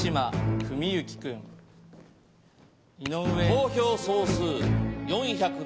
投票総数４７３。